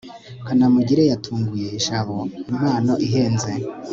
kanamugire yatunguye jabo impano ihenze